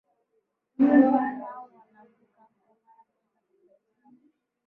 nyumbu hao wanavuka mto mara kwenda masai mara